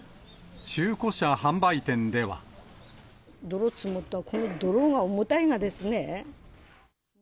泥積もってて、この泥が重たいがですね。